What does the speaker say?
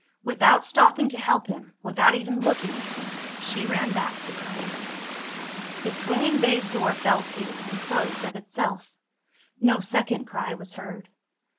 Without stopping to help him, without even looking at him, she ran back to Carmina. The swinging baize door fell to, and closed of itself. No second cry was heard.